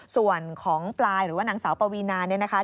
ส่วนของปลายหรือว่านางสาวปวีนา